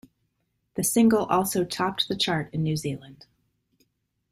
The single also topped the chart in New Zealand.